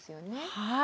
はい。